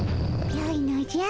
よいのじゃ。